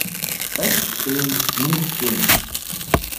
Rechts stehen, links gehen.